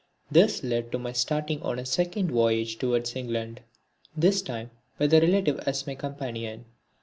This led to my starting on a second voyage towards England, this time with a relative as my companion.